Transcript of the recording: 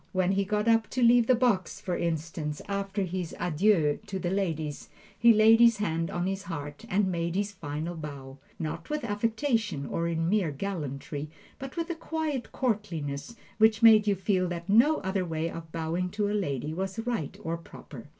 When he got up to leave the box, for instance, after his adieux to the ladies, he laid his hand on his heart and made his final bow not with affectation, or in mere gallantry, but with a quiet courtliness which made you feel that no other way of bowing to a lady was right or proper.